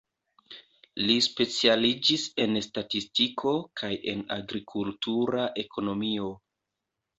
Li specialiĝis en statistiko kaj en agrikultura ekonomio.